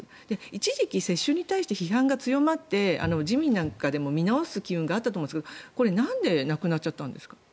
一時期世襲に対して批判が強まって自民なんかでも見直す機運があったと思うんですが、これなんでなくなっちゃったんですか。